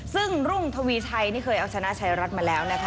ซึ่งรุ่งทวีชัยนี่เคยเอาชนะชายรัฐมาแล้วนะคะ